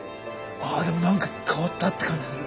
ああでもなんか変わったって感じする。